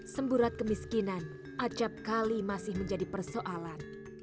semburat kemiskinan gaan kali masih menjadi persoalan